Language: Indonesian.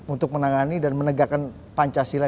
untuk menangani dan menegakkan pancasila